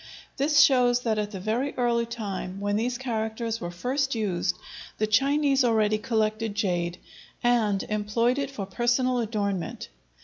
This shows that at the very early time when these characters were first used, the Chinese already collected jade and employed it for personal adornment.